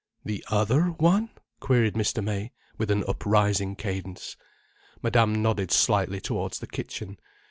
"The other one—?" queried Mr. May, with an uprising cadence. Madame nodded slightly towards the kitchen.